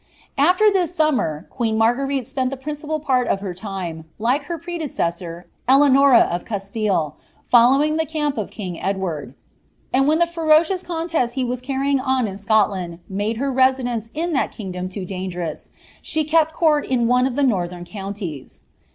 AAer this summer, queen Marguerite spent the principal part of her time, like her predecessor, Eleanora of QistiUe, following the camp of king Edward : and when the ferocious contest he was carrying on in Scotland made her residence in that kingdom too dangerous, she kept court in one of the northern counties.